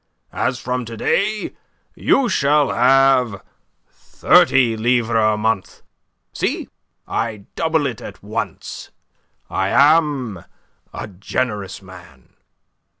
As from to day you shall have thirty livres a month. See, I double it at once. I am a generous man."